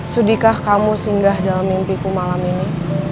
sudikah kamu singgah dalam mimpiku malam ini